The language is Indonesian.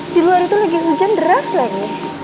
di luar itu lagi hujan deras lagi